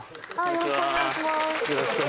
よろしくお願いします